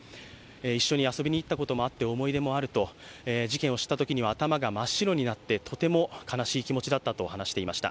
一緒に遊びに行ったこともあって思い出もあると、事件を知ったときには頭が真っ白になって、とても悲しい気持ちだったと話していました。